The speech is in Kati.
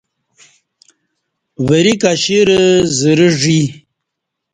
وری کشرہ زرہ ژی